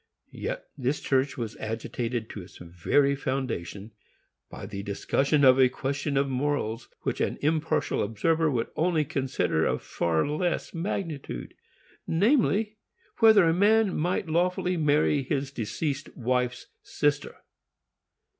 Yet this church was agitated to its very foundation by the discussion of a question of morals which an impartial observer would probably consider of far less magnitude, namely, whether a man might lawfully marry his deceased wife's sister.